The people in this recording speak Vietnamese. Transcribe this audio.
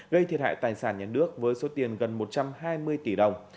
gây thiệt hại tài sản nhà nước với số tiền gần một trăm hai mươi tỷ đồng